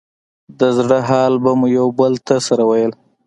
د زړه حال به مو يو بل ته سره ويل.